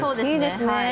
いいですね。